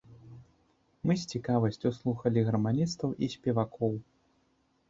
Мы з цікавасцю слухалі гарманістаў і спевакоў.